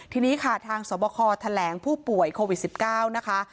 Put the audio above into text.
ทีนี้ค่ะทางสวบคแถลงผู้ป่วยโควิด๑๙นะคะ